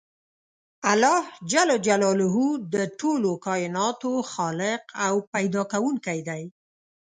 الله ج د ټولو کایناتو خالق او پیدا کوونکی دی .